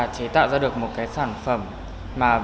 chế tạo ra được một sản phẩm